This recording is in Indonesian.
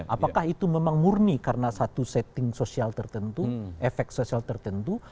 apakah itu memang murni karena satu setting sosial tertentu efek sosial tertentu